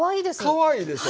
かわいいでしょ。